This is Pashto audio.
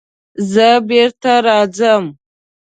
زه بېرته راځم.